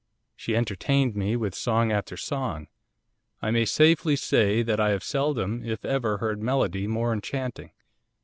She entertained me with song after song. I may safely say that I have seldom if ever heard melody more enchanting.